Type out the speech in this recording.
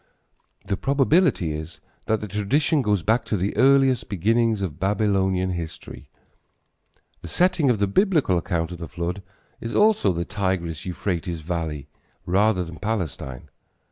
The probability is that the tradition goes back to the earliest beginnings of Babylonian history. The setting of the Biblical accounts of the flood is also the Tigris Euphrates valley rather than Palestine.